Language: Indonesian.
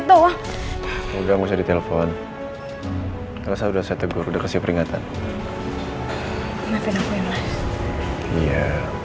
sampai jumpa di video selanjutnya